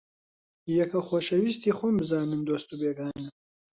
یەکە خۆشەویستی خۆم بزانن دۆست و بێگانە